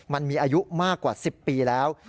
มันมีอายุมากกว่า๑๐ปีแล้ว